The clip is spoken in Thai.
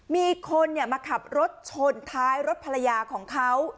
มีคนมาขับรถชนท้ายรถภรรยาของเขา